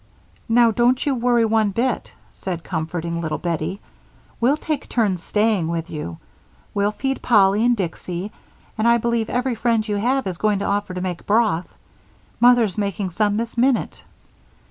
"Now don't you worry one bit," said comforting little Bettie. "We'll take turns staying with you; we'll feed Polly and Dicksy, and I believe every friend you have is going to offer to make broth. Mother's making some this minute."